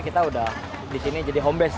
kita udah disini jadi home base